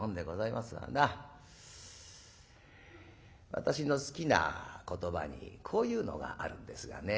私の好きな言葉にこういうのがあるんですがね